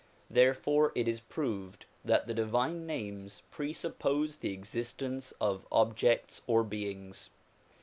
Therefore it is proved that the divine names presuppose the existence of objects or beings.